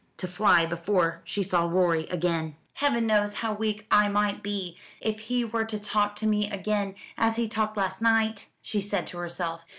To fly before she saw Rorie again. "Heaven knows how weak I might be if he were to talk to me again as he talked last night!" she said to herself.